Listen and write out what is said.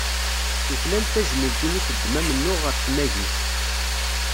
Tuklal tajmilt i mi teddem amennuɣ ɣef tmagit.